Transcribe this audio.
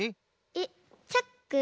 えっチャック？